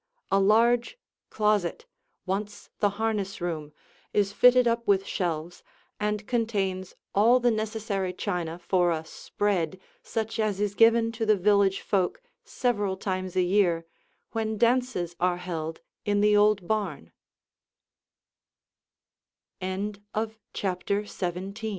A large closet, once the harness room, is fitted up with shelves and contains all the necessary china for a "spread" such as is given to the village folk several times a year, when dances are he